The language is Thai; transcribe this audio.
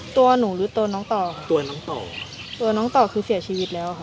ตัวหนูหรือตัวน้องต่อค่ะตัวน้องต่อตัวน้องต่อคือเสียชีวิตแล้วค่ะ